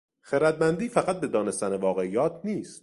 خردمندی فقط به دانستن واقعیات نیست.